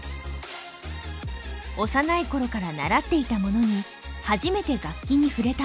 幼いころから習っていた者に初めて楽器に触れた者。